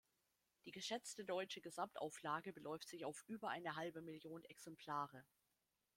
Die geschätzte deutsche Gesamtauflage beläuft sich auf über eine halbe Million Exemplare.